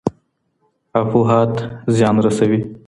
افواهات زیان رسوي.